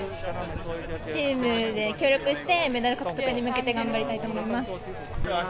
チームで協力して、メダル獲得に向けて頑張りたいと思います。